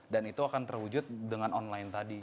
dan itu akan terwujud dengan online tadi